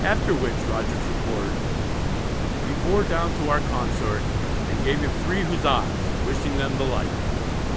After which, Rogers records, "we bore down to our Consort, and gave him three Huzza's, wishing them the like."